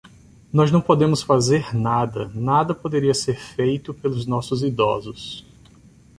Nós não podemos fazer nada, nada poderia ser feito pelos nossos idosos.